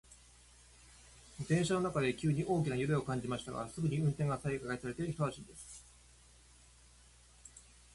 電車の中で急に大きな揺れを感じましたが、すぐに運転が再開されて一安心です。